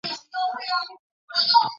许多市民也到这里来野炊烧烤。